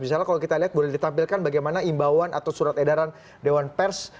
misalnya kalau kita lihat boleh ditampilkan bagaimana imbauan atau surat edaran dewan pers